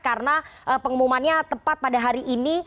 karena pengumumannya tepat pada hari ini